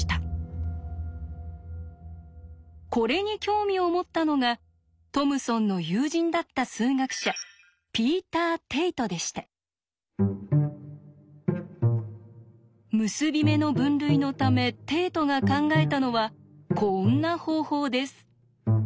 これに興味を持ったのがトムソンの友人だった数学者結び目の分類のためテイトが考えたのはこんな方法です。